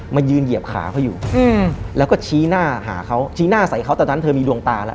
ยืนเหยียบขาเขาอยู่อืมแล้วก็ชี้หน้าหาเขาชี้หน้าใส่เขาตอนนั้นเธอมีดวงตาแล้ว